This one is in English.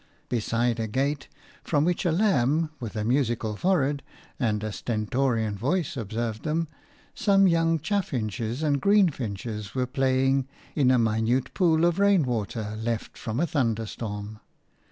Beside a gate from which a lamb with a musical forehead and a stentorian voice observed them, some young chaffinches and greenfinches were playing in a minute pool of rainwater left from a thunderstorm.